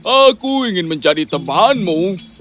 aku ingin menjadi temanmu